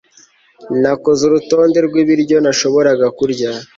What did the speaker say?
Nakoze urutonde rwibiryo ntashobora kurya